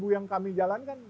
tiga ribu yang kami jalankan